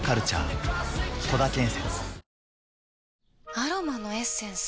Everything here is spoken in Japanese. アロマのエッセンス？